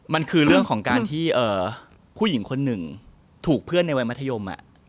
มันคือเรื่องของการที่ผู้หญิงคนหนึ่งถูกเพื่อนในวัยมัธยม